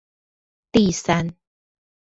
第三